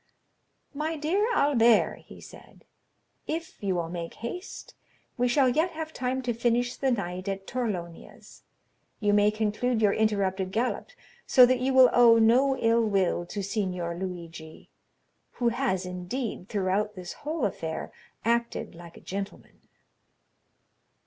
"My dear Albert," he said, "if you will make haste, we shall yet have time to finish the night at Torlonia's. You may conclude your interrupted galop, so that you will owe no ill will to Signor Luigi, who has, indeed, throughout this whole affair acted like a gentleman."